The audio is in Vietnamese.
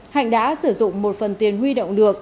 hạnh đã sử dụng một phần tiền huy động được